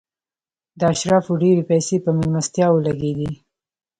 د اشرافو ډېرې پیسې په مېلمستیاوو لګېدې.